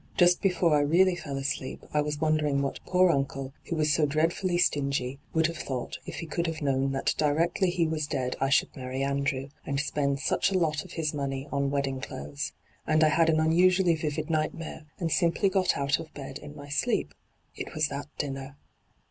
Just before I really fell asleep I was wondering what poor uncle, who was so dreadfully stingy, would have thought if he could have known that directly he was dead I should marry Andrew, and spend such a lot of his money on wedding clothes. And I had an unusually vivid night mare, and simply got out of bed in my sleep. It was that dinner.'